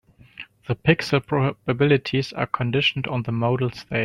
The pixel probabilities are conditioned on the model state.